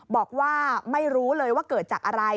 บอกว่าไม่รู้เลยว่าเกิดจากอะไร